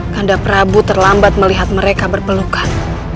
karena prabu terlambat melihat mereka berpelukan